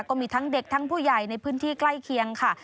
ก็มีทั้งเด็กทั้งผู้ใหญ่ในพื้นที่ใกล้เคียงค่ะ